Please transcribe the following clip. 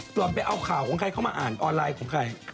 ตรงไปเอาข่าวของใครเค้ามาอ่านออนไลน์